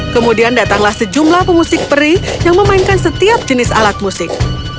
kemudian datanglah sejumlah pemusik peri yang memainkan setiap jenis alat musik